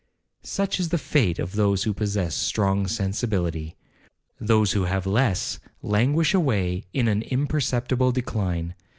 'Such is the fate of those who possess strong sensibility; those who have less languish away in an imperceptible decline.